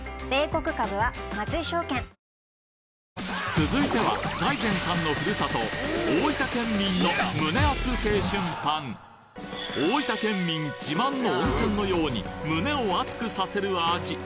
続いては財前さんのふるさと大分県民の胸アツ青春パン大分県民自慢の温泉のように胸を熱くさせる味。